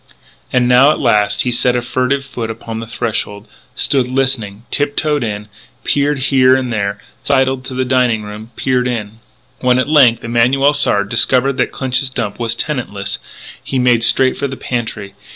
And now, at last, he set a furtive foot upon the threshold, stood listening, tip toed in, peered here and there, sidled to the dining room, peered in. When, at length, Emanuel Sard discovered that Clinch's Dump was tenantless, he made straight for the pantry.